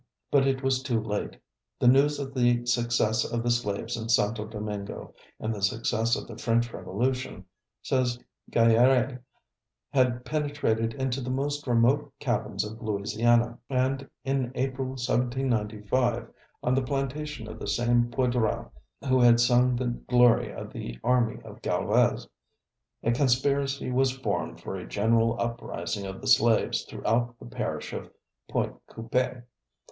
But it was too late. The news of the success of the slaves in Santo Domingo, and the success of the French Revolution, says Gayarr├®, had penetrated into the most remote cabins of Louisiana, and in April, 1795, on the plantation of the same Poydras who had sung the glory of the army of Galvez, a conspiracy was formed for a general uprising of the slaves throughout the parish of Pointe Coup├®e.